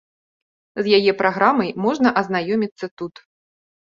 З яе праграмай можна азнаёміцца тут.